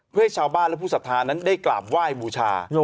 เพื่อให้ชาวบ้านและผู้สัทธานั้นได้กราบไหว้บูชา